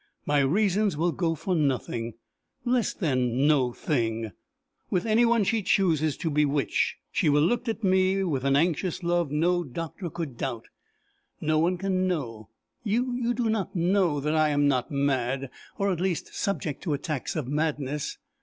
My reasons will go for nothing less than no thing with any one she chooses to bewitch. She will look at me with an anxious love no doctor could doubt. No one can know you do not know that I am not mad or at least subject to attacks of madness!"